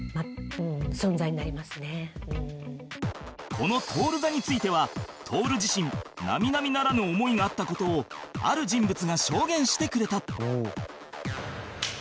この徹座については徹自身並々ならぬ思いがあった事をある人物が証言してくれた